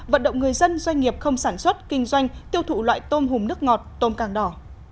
vận động người dân doanh nghiệp không sản xuất kinh doanh tiêu thụ loại tôm hùm nước ngọt tôm càng đỏ